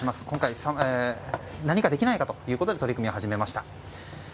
今回、何かできないかということで取り組みを始めました。